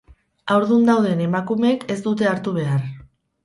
Haurdun dauden emakumeek ez dute hartu behar.